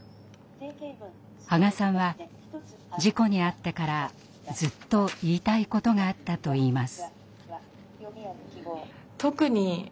波賀さんは事故に遭ってからずっと言いたいことがあったといいます。